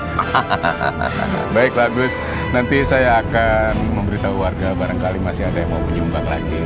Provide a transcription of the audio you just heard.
hahaha baik bagus nanti saya akan memberitahu warga barangkali masih ada yang mau menyumbang lagi